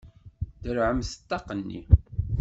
Derrɛemt ṭṭaq-nni!